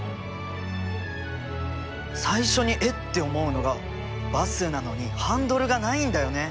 最初にえっ？って思うのがバスなのにハンドルがないんだよね。